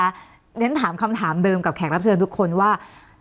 ฉันถามคำถามเดิมกับแขกรับเชิญทุกคนว่า